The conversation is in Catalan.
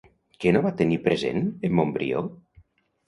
Què no va tenir present en Montbrió?